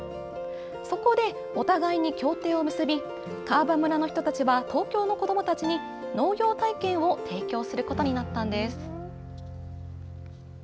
そこでお互いに協定を結び、川場村の人たちは東京の子どもたちに農業体験を提供することになったんです。